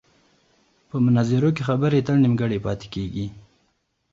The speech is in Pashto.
په مناظرو کې خبرې تل نیمګړې پاتې کېږي.